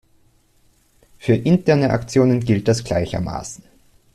Für interne Aktionen gilt das gleichermaßen.